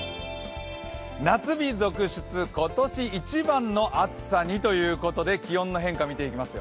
夏日続出、今年一番の暑さにということで、気温の変化みていきます。